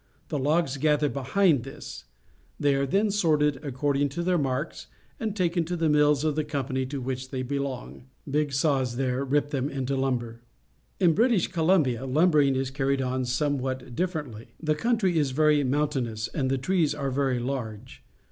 The logs gather beliind tliis. They are A Logging Train, Vancouver Island then sorted according to their marks and taken to the mills of the company to wliich they belong. Big saws there rip them into lumber. In British Columbia lumbering is carried on somewhat differently. The country is very mountainous, and the trees are very large.